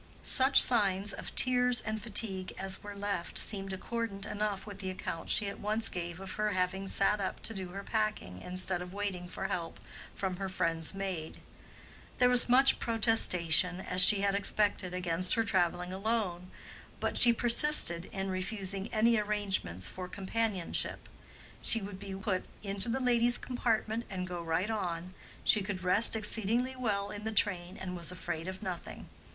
Such signs of tears and fatigue as were left seemed accordant enough with the account she at once gave of her having sat up to do her packing, instead of waiting for help from her friend's maid. There was much protestation, as she had expected, against her traveling alone, but she persisted in refusing any arrangements for companionship. She would be put into the ladies' compartment and go right on. She could rest exceedingly well in the train, and was afraid of nothing.